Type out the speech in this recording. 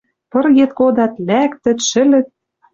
Пыргед кодат, лӓктӹт, шӹлӹт.